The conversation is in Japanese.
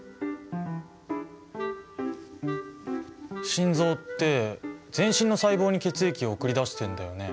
心臓って全身の細胞に血液を送り出してんだよね。